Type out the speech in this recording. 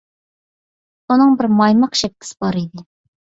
ئۇنىڭ بىر مايماق شەپكىسى بار ئىدى.